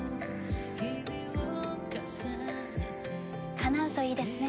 かなうといいですね